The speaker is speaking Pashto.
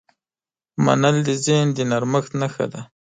منل د ذهن د نرمښت نښه ده.